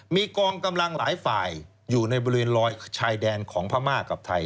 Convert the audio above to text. มีกองกำลังหลายฝ่ายอยู่ในบริเวณรอยชายแดนของพม่ากับไทย